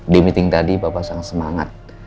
di meeting tadi bapak sangat semangat